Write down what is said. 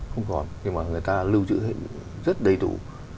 không còn nhưng mà người ta lưu trữ hết rất đầy đủ